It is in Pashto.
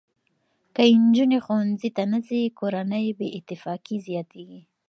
که نجونې ښوونځي ته نه ځي، کورني بې اتفاقي زیاتېږي.